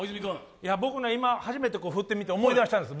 僕ね、今初めて振ってみて思い出したんです。